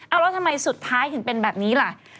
เอาแล้วทำไมสุดท้ายถึงเป็นแบบนี้ล่ะ